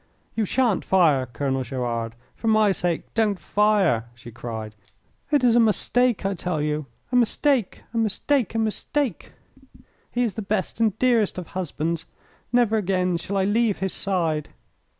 "You sha'n't fire! Colonel Gerard, for my sake don't fire," she cried. "It is a mistake, I tell you, a mistake, a mistake! He is the best and dearest of husbands. Never again shall I leave his side."